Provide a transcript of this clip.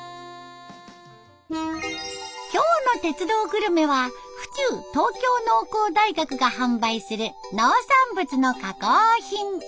今日の「鉄道グルメ」は府中東京農工大学が販売する農産物の加工品。